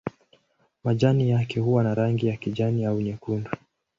Majani yake huwa na rangi ya kijani au nyekundu.